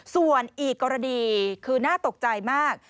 ส่วนอีกกรณีคือน่าตกใจมาก